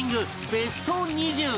ベスト２０